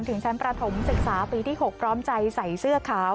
ถึงชั้นประถมศึกษาปีที่๖พร้อมใจใส่เสื้อขาว